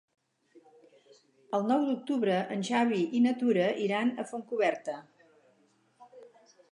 El nou d'octubre en Xavi i na Tura iran a Fontcoberta.